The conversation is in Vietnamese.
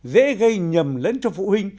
dễ gây nhầm lẫn cho phụ huynh